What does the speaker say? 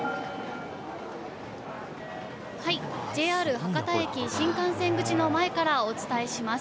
ＪＲ博多駅新幹線口の前からお伝えします。